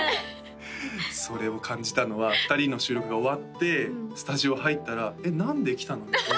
それを感じたのは２人の収録が終わってスタジオ入ったら「えっ何で来たの？」